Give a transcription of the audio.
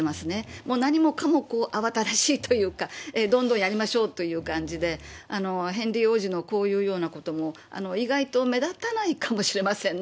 もう何もかもこう、慌ただしいというか、どんどんやりましょうという感じで、ヘンリー王子のこういうようなことも、意外と目立たないかもしれませんね。